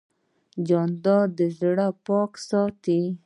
جانداد د زړه پاکي ساتي.